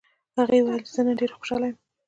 هغې وویل چې نن زه ډېره خوشحاله یم